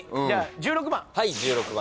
じゃあ１６番。